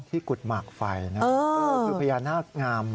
กุฎหมากไฟนะคือพญานาคงาม